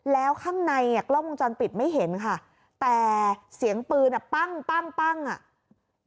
แล้วข้างในอ่ะกล้องวงจรปิดไม่เห็นค่ะแต่เสียงปืนอ่ะปั้งปั้งปั้งอ่ะ